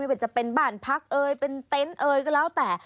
ว่าจะเป็นบ้านพักเอ่ยเป็นเต็นต์เอ่ยก็แล้วแต่